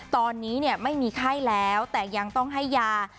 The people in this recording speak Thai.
ตอนนี้ไม่มีไข้แล้วแต่ยังต้องให้ยา